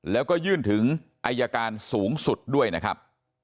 แล้วก็ยื่นถึงอายการสูงสุดด้วยนะครับ